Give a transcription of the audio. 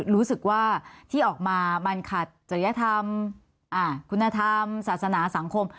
รู้สึกว่าที่ออกมามันขัดจริยธรรมคุณธรรมศาสนาสังคม